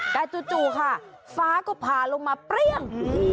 แต่จู่ค่ะฟ้าก็ผ่าลงมาเปรี้ยง